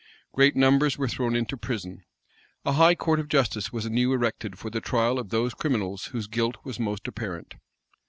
Great numbers were thrown into prison. A high court of justice was anew erected for the trial of those criminals whose guilt was most apparent.